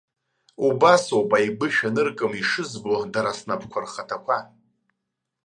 Убасоуп аигәышә аныркым ишызбо дара снапқәа рхаҭақәа.